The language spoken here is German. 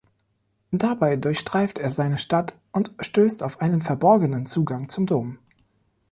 Dabei durchstreift er seine Stadt und stößt auf einen verborgenen Zugang zum Dom.